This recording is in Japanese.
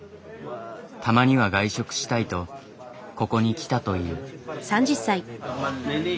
たまには外食したいとここに来たという。